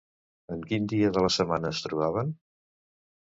En quin dia de la setmana es trobaven?